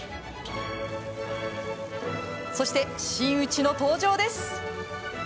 そして、真打ちの登場です。